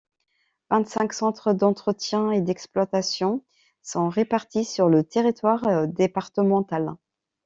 Vingt cinq centres d'entretiens et d'exploitations sont répartis sur le territoire départemental.